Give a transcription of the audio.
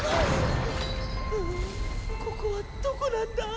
ここはどこなんだ？